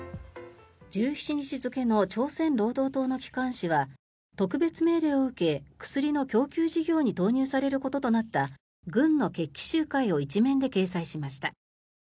１７日付の朝鮮労働党の機関紙は特別命令を受け、薬の供給事業に投入されることとなった軍の決起集会を１面で掲載しました。